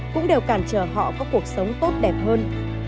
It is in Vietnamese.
cũng đều cản trở họ có cuộc sống tốt đẹp hơn